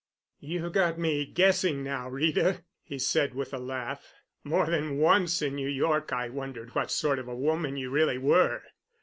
"You've got me guessing now, Rita," he said with a laugh. "More than once in New York I wondered what sort of a woman you really were.